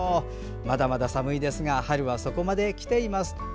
まだまだ寒いですが春はそこまで来ています。